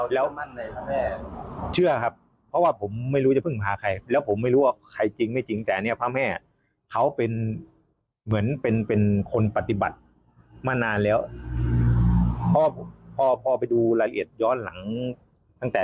แล้วนั่นเลยครับแม่เชื่อครับเพราะว่าผมไม่รู้จะพึ่งพาใครแล้วผมไม่รู้ว่าใครจริงไม่จริงแต่อันนี้พระแม่เขาเป็นเหมือนเป็นเป็นคนปฏิบัติมานานแล้วเพราะพอพอไปดูรายละเอียดย้อนหลังตั้งแต่